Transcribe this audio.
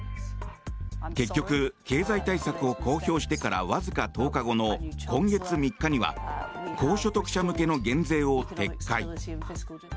結局、経済対策を公表してからわずか１０日後の今月３日には高所得者向けの減税を撤回。